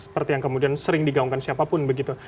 seperti yang kemudian sering digaungkan siapapun begitu